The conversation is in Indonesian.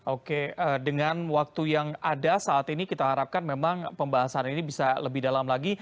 oke dengan waktu yang ada saat ini kita harapkan memang pembahasan ini bisa lebih dalam lagi